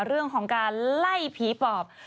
เรื่องของการไล่ผีปอบ